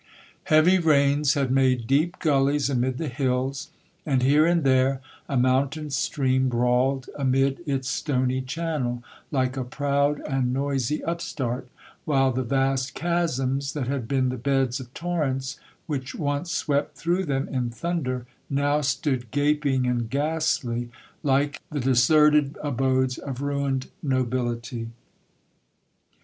Heavy rains had made deep gullies amid the hills, and here and there a mountain stream brawled amid its stony channel, like a proud and noisy upstart, while the vast chasms that had been the beds of torrents which once swept through them in thunder, now stood gaping and ghastly like the deserted abodes of ruined nobility.